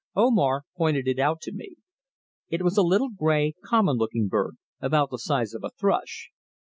Omar pointed it out to me. It was a little grey common looking bird about the size of a thrush.